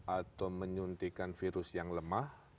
atau menyuntikan virus yang lemah